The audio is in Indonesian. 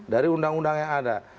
dari undang undang yang ada